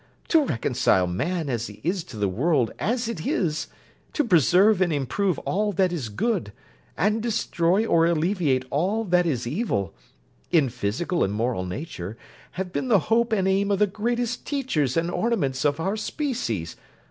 To reconcile man as he is to the world as it is, to preserve and improve all that is good, and destroy or alleviate all that is evil, in physical and moral nature have been the hope and aim of the greatest teachers and ornaments of our species.